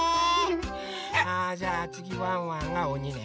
あじゃあつぎワンワンがおにね。